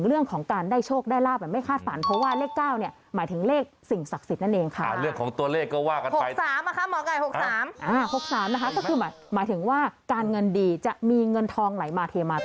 เรื่องของตัวเลขก็สำคัญนะคะ